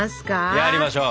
やりましょう。